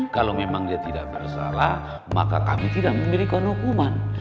kalau memang dia tidak bersalah maka kami tidak memberikan hukuman